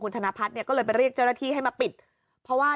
ธนพัฒน์เนี่ยก็เลยไปเรียกเจ้าหน้าที่ให้มาปิดเพราะว่า